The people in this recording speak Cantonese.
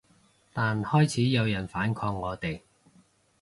但開始有人反抗我哋